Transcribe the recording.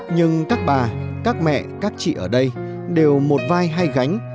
nhưng các bà các mẹ các chị ở đây đều một vai hai gánh